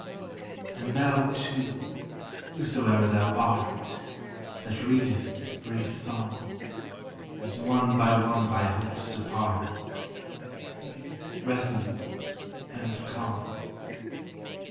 And thou, too, whosoe'er thou art, That readest this brief psalm, As one by one thy hopes depart, Be resolute and calm.